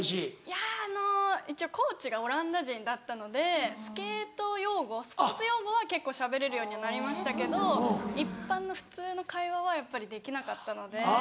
いやあの一応コーチがオランダ人だったのでスケート用語スポーツ用語は結構しゃべれるようにはなりましたけど一般の普通の会話はやっぱりできなかったので。